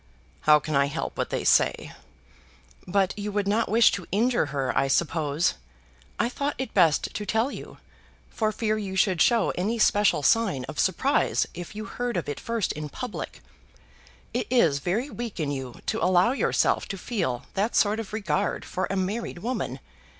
"How can I help what they say?" "But you would not wish to injure her, I suppose? I thought it best to tell you, for fear you should show any special sign of surprise if you heard of it first in public. It is very weak in you to allow yourself to feel that sort of regard for a married woman.